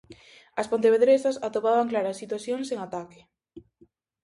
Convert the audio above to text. As pontevedresas atopaban claras situacións en ataque.